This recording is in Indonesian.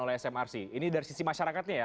oleh smrc ini dari sisi masyarakatnya ya